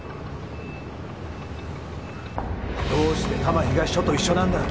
どうして多摩東署と一緒なんだ！